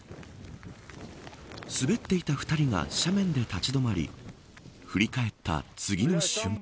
滑っていた２人が斜面で立ち止まり振り返った次の瞬間。